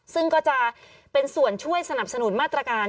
ซึ่งก็จะเป็นส่วนช่วยสนับสนุนมาตรการ